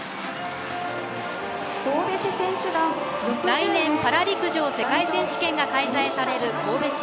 来年パラ陸上世界選手権が開催される神戸市。